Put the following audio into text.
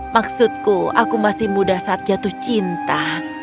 maksudku aku masih muda saat jatuh cinta